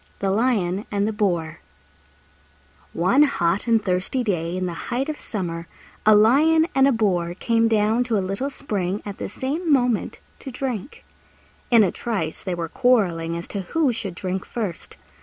THE LION AND THE BOAR One hot and thirsty day in the height of summer a Lion and a Boar came down to a little spring at the same moment to drink. In a trice they were quarrelling as to who should drink first.